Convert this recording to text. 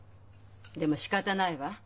でもしかたないわ。